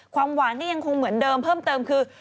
ความหวานนี่ยังคงเหมือนเดิมเพิ่มเติมคือ